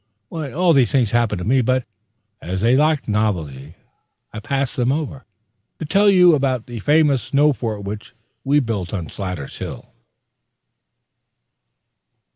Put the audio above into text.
All these things happened to me; but, as they lack novelty, I pass them over, to tell you about the famous snow fort which we built on Slatter's Hill.